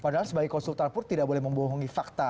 padahal sebagai konsultan pun tidak boleh membohongi fakta